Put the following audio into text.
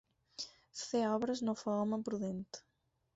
Fer obres no fa home prudent.